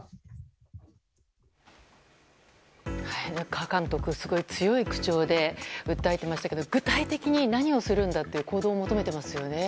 カー監督、すごく強い口調で訴えていましたけど具体的に何をするんだという行動を求めてますよね。